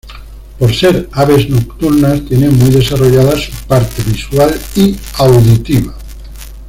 Por ser aves nocturnas tienen muy desarrollada su parte visual y auditiva.